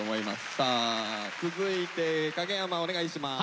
さあ続いて影山お願いします。